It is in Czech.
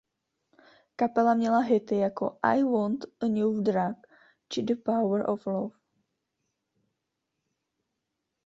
Kapela měla hity jako "I Want a New Drug" či "The Power of Love".